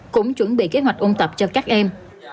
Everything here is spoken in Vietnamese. cũng chuẩn bị kế hoạch ôn tập cho các em